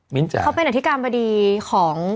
เขาเป็นอธิการบดีของ